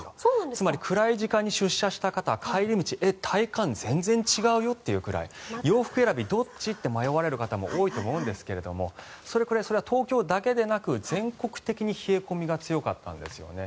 つまり暗い時間に出社した方は帰り、全然体感違うよというくらい洋服選び、どっち？って迷われる方も多いと思うんですがそれくらいそれは東京だけでなく全国的に冷え込みが強かったんですよね。